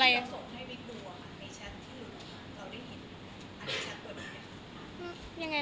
มีแค่เมื่อกี๊